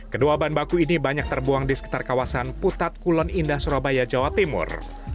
kedua bahan baku ini banyak terbuang di sekitar kawasan putat kulon indah surabaya jawa timur